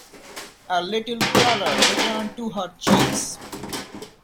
A little colour returned to her cheeks.